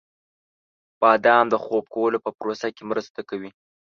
• بادام د خوب کولو په پروسه کې مرسته کوي.